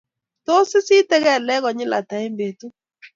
Tos, Isite kelegeek konyil ata eng betut?